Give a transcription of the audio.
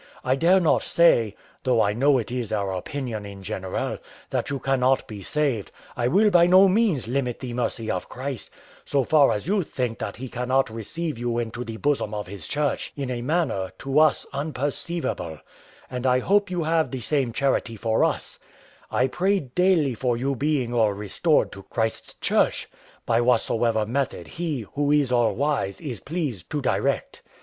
I dare not say (though I know it is our opinion in general) that you cannot be saved; I will by no means limit the mercy of Christ so far as think that He cannot receive you into the bosom of His Church, in a manner to us unperceivable; and I hope you have the same charity for us: I pray daily for you being all restored to Christ's Church, by whatsoever method He, who is all wise, is pleased to direct.